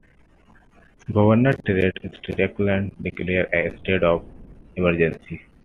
Governor Ted Strickland declared a state of emergency.